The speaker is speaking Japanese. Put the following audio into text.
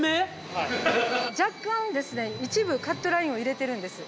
若干ですね一部カットラインを入れてるんです。